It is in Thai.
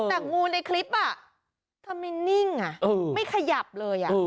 แต่งูในคลิปทำไมนิ่งไม่ขยับเลย